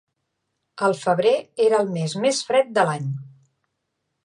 El febrer era el mes més fred de l'any.